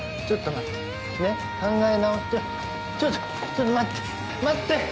ちょっと待って。